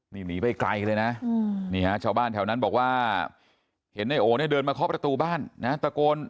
นี่หนีไปไกลเลยนะนี่ฮะชาวบ้านแถวนั้นบอกว่าเห็นในโอเนี่ยเดินมาเคาะประตูบ้านนะตะโกน